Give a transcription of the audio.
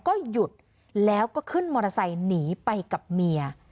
ก็หยุดแล้วก็ขึ้นมอเตอร์ไซค์หนีไปกับเมีย